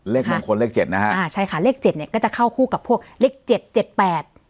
มงคลเลขเจ็ดนะฮะอ่าใช่ค่ะเลขเจ็ดเนี้ยก็จะเข้าคู่กับพวกเลขเจ็ดเจ็ดแปด